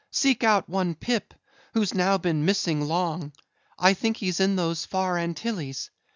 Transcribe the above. Seek out one Pip, who's now been missing long: I think he's in those far Antilles.